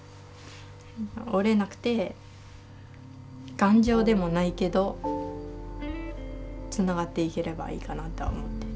折れなくて頑丈でもないけどつながっていければいいかなとは思ってる。